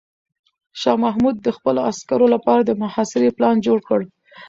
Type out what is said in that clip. شاه محمود د خپلو عسکرو لپاره د محاصرې پلان جوړ کړ.